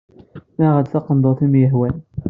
Aɣ-d taqendurt i am-yehwan.